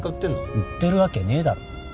売ってるわけねえだろ。